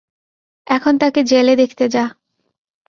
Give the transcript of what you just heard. এখন তাকে জেলে দেখতে যা।